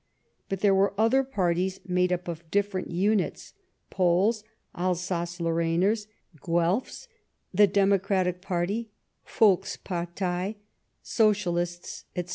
But there were other parties, made up of different units — Poles, Alsace Lor rainers, Guelphs, the Democratic Party (Volkspartei), Socialists, etc.